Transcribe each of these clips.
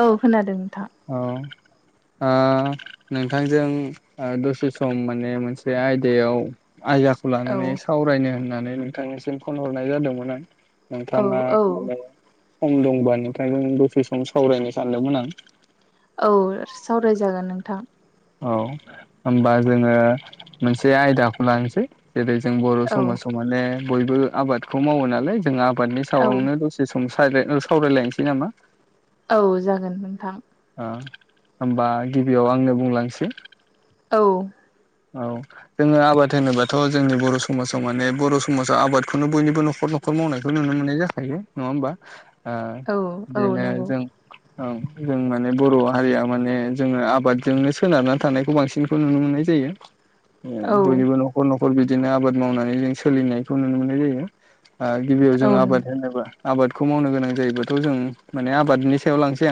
औ खोनादों नोंथां औ नोंथांजों दसे सम माने मोनसे आयदायाव आयदयाखौ औ लानानै सावरायनो होननानै नोंथांनिसिम फन हरनाय जादोंमोन आं औ नोंथाङा औ माने सम दंबा नोंथांनो दसे सम सावरायनो सानदोंमोन आं औ सावरायजागोन नोंथां औ होनबा जोङो मोनसे आयदाखौ लानोसै जेरै जों बर' औ समाजाव माने बयबो आबादखौ मावो नालाय जोंहा आबादनि औ सायावायावनो दसे सम सावरायलायनोसै नामा औ जागोन नोंथां होनबा गिबियाव आंनो बुंलांसै औ औ जोङो आबाद होनोबाथ' जोंनि बर' समाजाव माने बर' समाजाव आबादखौनो बयनिबो न'खर दं नखर मावनायखौ नुनो मोननाय जाखायो नङा होमबा औ औ बिदिनो नंगौ जों औ जों माने बर' हारिया माने जोङो आबादजोंनो सोनारनानै थानायखौ बांसिनखौ नुनो मोननाय जायो औ बयनिबो न'खर न'खर बिदिनो आबाद मावनानै जों सोलिनायखौ नुनो मोननाय जायो गिबियाव औ जों नों आबाद होनोबा आबादखौ मावनो गोनां जायोबाथ' जों माने आबादनि सायाव लांसै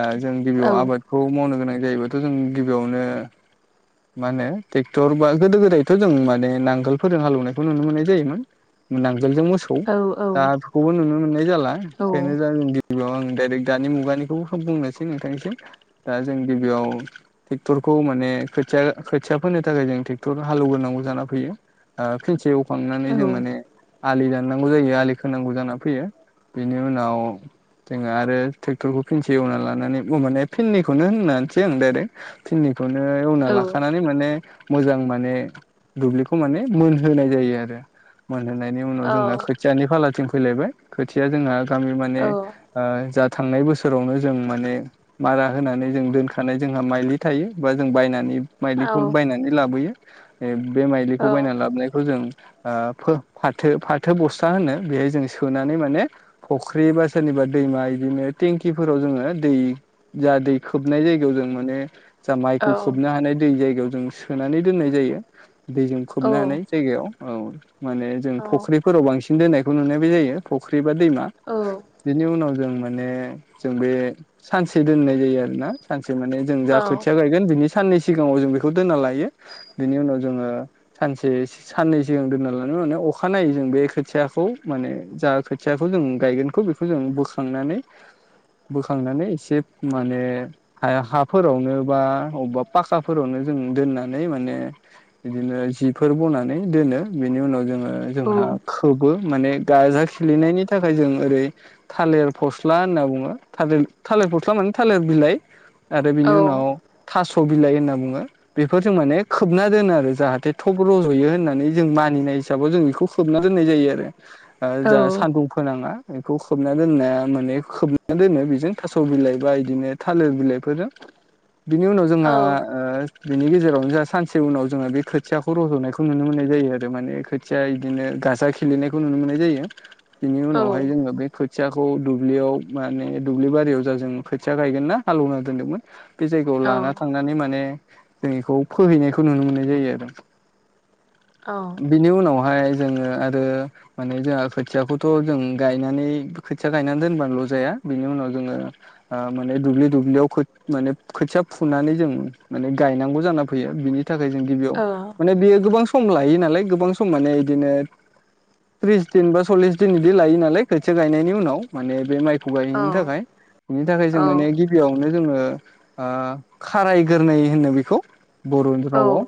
आं जों गिबियाव औ आबादखौ मावनो गोनां जायोबाथ' जों गिबियावनो मा होनो ट्रेक्टर बा गोदो गोदायथ' जों माने नांगोलफोरजों हालेवनायखौ नुनो मोननाय जायोमोन आगोलजों मोसौ औ दा बेखौबो नुनो मोननाय जाला औ बेंखायनो ज गिबियाव आं डाइरेक्ट दानि मुगानिखौ बुंनोसै नोंथांनिसिम दा जों गिबियाव ट्रेक्टरखौ माने [unintelligible] खिसा फोनो थाखाय जों ट्रेक्टर हालौव्रोनांगौ जानानै फैयो फिलसे एवखांनानै औ जों माने आलि दाननांगौ जायो आलि खोनांगौ जाना फैयो बेनि उनाव जोङो आरो ट्रेक्टरखौ फिनसे एवना लानानै माने फिननिखौनो होननानैसै आं डाइरेक्ट फिननिखौ बेखौनो एवना लाखानाय औ मान मोजां म दुब्लिखौ मान मोन होनोनाय जायो आरो फानहायनायनि उनाव जोंहा औ खोथियानि फालाथिं फैलायबाय खोथिया जोंहा गामि माने ओ जा थांनाय बोसोर सोरावनो जों माने मारा होनानै जों दोनखानाय जोंहा माइलि थायो बा जों बायनानै बायदिखौ फाथो फाथो बसथा होनो बेहाय जों सोनानै माने फुख्रि बा सोरनिबा दै दैमा बिदिनो टेंकिफोराव जोङो दै जा दै खोबनाय जायगायाव जों माने जा माइखौ खोबनो हानाय दै जायगायाव जों सोनानै दोननाय जायो दैजों खोबनानै जायगायाव औ माने जों फुख्रिफोराव बांसिन दोननायखौ नुनाय बे जायो फुख्रि बा दैमा बिनि उनाव जों माने जों बे सानसे दोननाय जायो आरोना सानसे माने जों जा खोथिया गायगोन बिनि साननै सिगाङाव जों बेखौ दोनना लायो बिनि उनाव जोङो सानसे साननै सिगां दोनना लानाय उ अखानायै जों बे खोथियाखौ माने जा खोथियाखौ जों गायगोनखौ बेखौ जों बोखांनानै बोखांनानै एसे माने हाफोरावनो बा अबेबा पाखाफोरावनो जों दोननानै माने बिदिनो जिफोर बनानै दोनो बिनि उनाव जोङो जोंहा खोबो माने गाजा खिलिनायनि थाखाय जों ओरै थालिर फस्ला होनना बुङो थाल थाल [unintelligible] थालेर बिलाय आरो बिनि उनाव थासह थ' बिलाइ होनना बुङो बेफोर जों माने खोबना दोनो आरो जाहाथे थब रज'यो होननानै जों मानिनाय हाव जों बेखौ खोबना दोननाय जायो आरो ज सानदुं फोनाङा बेखौ खोबना दोननाया माने खोबना दोनो बिजों थासह बिइ बा इदिनो थालेर बिलायबाफोरजों बिनि उनाव जोंहा ओ बिनि गेजेरावनो जोंहा सानसे उनाव जोो बे खोथियाखौ रज'नायखौ नुनो मोननाय जायो आरो माने खोथिया बिदिनो गाजा खेलेनायखौ नुनो मोननाय जायो बिनि उनावहाय जोङो बे खोथियाखौ दुब्लियाव माने दुब्लि बारियावाजों खोथिया गायगोन ना हालेवना दोनदोंमोन बे जायगायाव लाना थांनानै माने जों बेखौ फोहैनायखौ नुनो मोननाय जायो आरो। बिनि उनावहाय जोङो आरो माने जोंहा खोथियाखौथ' जों गायनानै खोथिया गायनानै दोनबानोल' जाया बिनि उनाव जोङो माने दुब्लि दुब्लियाव माने खोथिया फु फुनानै जों मान गायनांगौ जाना फैयो बिनि थाखाय जों गिबियाव माने बे गोबां सम लायो नालाय गोबां सम माने बिदिनो थ्रिस दिन बा सल्लिस दिन बिदि लायो नालाय खोथिया गायनायनि उनाव माने बे माइ थुगायैनि थाखाय बिनि थाखाय जों माने गिबियावनो जोङो खारायगोरोनाय होनो बेखौ बर' रावाव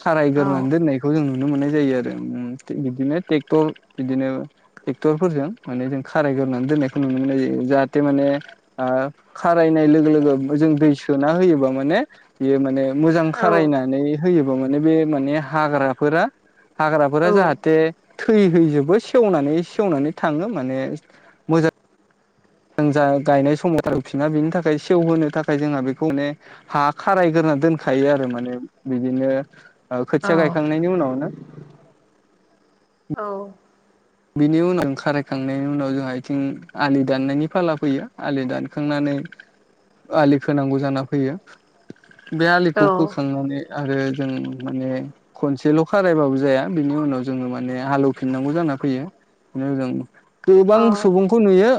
खारायगोरानै दोननायखौ जों नुनो मोननाय जायो आरो उम बिदिनोट ट्रेक्टर बिदिनो ट्रेक्टरफोरजों माने जों खार एवनानै दोन्नानैखौ नुनो मोननाय जायो जाहाथे माने ओ खारायनाय लोगो लोगो जों दै सोना होयोब्ल माने बेयो माने मोजां औ खारायनानै होयोब माने बे माने हाग्राफोरा हाग्राफोरा औ औ जाहाथे थैहैजोबो सेवनानै सेवनानै थाङो माने मोजां जों जा गायनाय समाव गारफिना बेनि थाखाय सेवहोनो थाखाय जोंहा बेखौाने हा खारायगोरां दोनखायो आरो माने बिदिनो औ खोथिया गायखांनायनि उनावनो औ। बिनि उनाव खारायखांनायनि उनाव जोंहा आथिं आलि दाननायनि फाला फैयो आलि दानखांनानै आलि खोनांगौ जाना फैयो बे अ औ आलिखौ फोखांनानै आरो जों माने खनसेल' खारायबाबो जाया बिनि उनाव जोंङो माने हालेवफिननांगौ जाना फैयो जों गोबां औ सुबुंखौ नुयो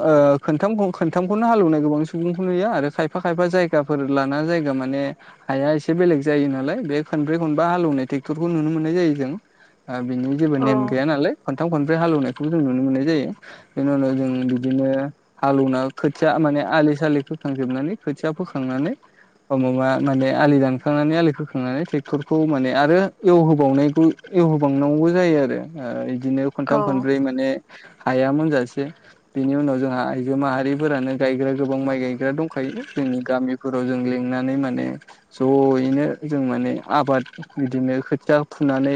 खथामखौ खोनथामखौनो हालेवनाय गोबां सुबुंखौ नुयो आरो खायफा खायफा जायगाफोर लाना जायगा माने हाया एसे बेलेग जायो नालाय बे खनब्रै खनबा हालेवनाय ट्रेक्टरखौ नुनो मोननाय जायो जों बिनि जेबो नेम गैया नालाय हालौनायखौों ननो मोननाय जायो बेनि उनाव जों बिदिनो हालेवनाय खोथाया माने आलि सालि खोखांनानै खोथिया फोखांनानै अबेबा माने आलि दानखांनानै आलि खोखांनानै ट्रेक्टरखौ माने आरो एवहोबावनायखौ एवहोबांनांगौ जायो आरो ओ बिदिनो खनथाम खनब्रै माने हायामोनजासे बिनि उनाव जोंहा आइजो माहारिफोरानो गायग्रा गोबां माइ गायग्रा दंखायो जोंनि गामिफोराव जों लिंनानै माने ज'यैनो जों माने आबाद बिदिनो खोथिया फुनानै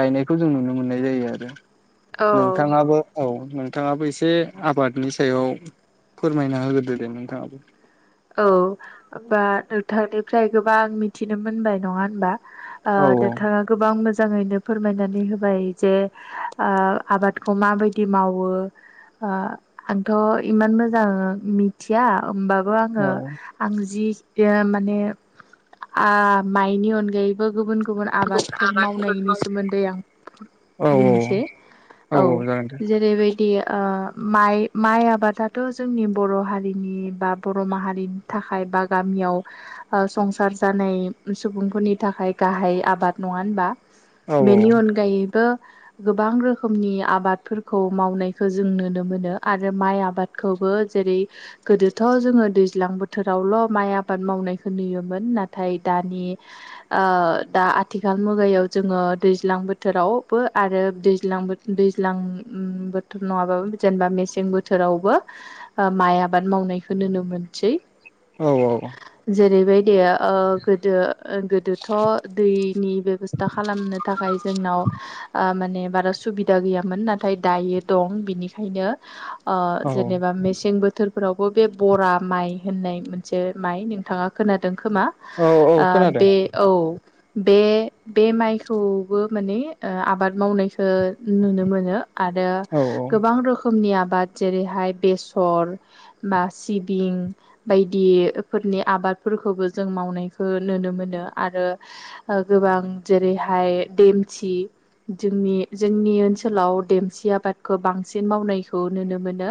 गायनायखौ जों नुनो मोननाय जायो आरो औ नोंथांङाबो औ नोंथांङाबो एसे आबादनि सायाव फोरमायना होग्रोदो दे नोंथाङाबो औ बा नोंथांनिफ्राय गोबां मिथिनो मोनबाय नंङा होनबा ओ औ नोंथांङा गोबां मोजां मोजांङैनो फोरमायनानै होबाय जे आबादखौ ओ माबायदि मावो ओ आंथ' इमान मोजां मिथिया होमबा बो औ आंङो आं जि माने आ माइनि अनगायैबो गुबुन गुबुन आबादफोर आबादफोरखौ मावनायनि सोमोन्दै आं औ बुंनोसै औ जेरैबायदि ओ माइ माइ आबादाथ' जोंनि बर' हारिनि बा बर' माहारिनि थाखाय बा गामियाव संसार जानाय सुबुंफोरनि थाखाय गाहाय आबाद नंङा होनबा औ बेनि अनगायै बो गोबां रोखोमनि आबादफोरखौ मावनायखौ जों नुनो मोनो आरो माइ आबाद खौबो जेरै गोदो थ' जोङो दैज्लां बोथोरावल' माइ आबाद मावनायखौ नुयोमोन नाथाय दानि दा आथिखाल मुगायाव जोंङो दैज्लां बोथोरावबो आरो दैज्लां बो दैज्ल लां बोथोर आवबो नंङाबाबो जेनेबा मेसें बोथोरावबो माइ आबाद मावनाय खौ नुनो मोनसै औ औ दे ओ गोदो गोदोथ' दैनि बेब'स्था खालामनो थाखाय जोंनाव ओ माने बारा सुबिदा गैयामोन नाथाय दायो दं बिनिखायनो ओ औ जेनेबा मेसें बोथोरफोरावबो बे बरा माइ होननाय मोनसे माइ नोंथांङा खोनादों खोमा औ औ ओ खोनादों बे औ बे बे माइखौबो माने आबाद मावनायखौ नुनो मोनो आरो औ गोबां रोखोमनि आबाद जेरैहाय बेसर बा सिबिं बायदिफोरनि आबादफोरखौबो जों मावनायखौ नुनो मोनो। आरो गोबां जेरैहाय देमसि जोंनि जोंनि ओनसोलाव देमसि आबादखौ बांसिन मावनायखौ नुनो मोनो।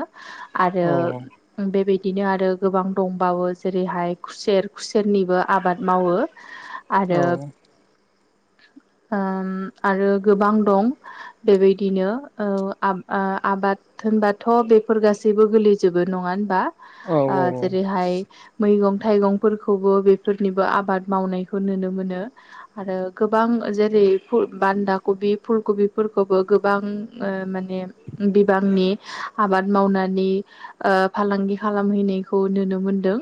औ आरो बेबायदिनो आरो गोबां दंबावो जेरैहाय खुसेर खुसेरनिबो आबाद मावो आरो ओम आरो गोबां दं बेबायदिनो ओ आ-आबाद होनबाथ' बेफोर गासैबो गोलैजोबो नंङा ओ औ औ जेरैहाय मैगं थाइगंफोरखौबो बेफोरनिबो आबाद मावनायखौ नुनो मोनो आरो गोबां जेरै बेफुल बान्दा कबि फुल कबिफोरखौबो गोबां ओ माने बिबांनि आबाद मावनानै ओ फालांगि खालामहैनायखौ नुनो मोनदों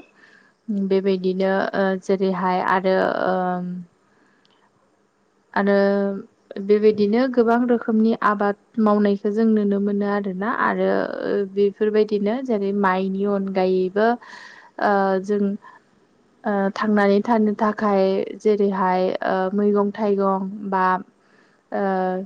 बेबायदिनो ओ जेरैहाय आरो ओ आरो बेबायदिनो गोबां रोखोमनि आबाद मावनायखो जों नुनो मोनो आरो ना आरो बेफोरबायदिनो जेरै माइनि अनगायैबो ओ जों ओ थांनानै थानो थाखाय जेरैहाय ओ मैगं थाइगं बा ओ